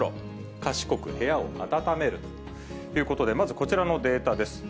賢く部屋を暖めるということで、まず、こちらのデータです。